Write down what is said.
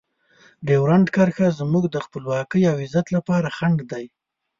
ډیورنډ کرښه زموږ د خپلواکۍ او عزت لپاره خنډ دی.